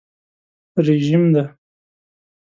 رژیم دی.